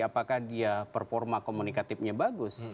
apakah dia performa komunikatifnya bagus